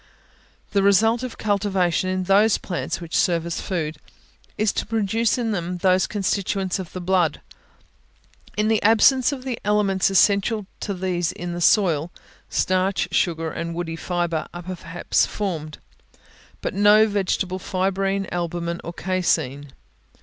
The result of cultivation in those plants which serve as food, is to produce in them those constituents of the blood. In the absence of the elements essential to these in the soil, starch, sugar and woody fibre, are perhaps formed; but no vegetable fibrine, albumen, or caseine.